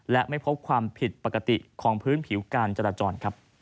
และไม่พบความผิดปกติของพื้นผิวการจราจร